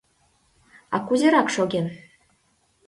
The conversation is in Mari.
— А кузерак шоген?